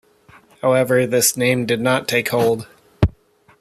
However, this name did not take hold.